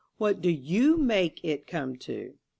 What do you make it come to?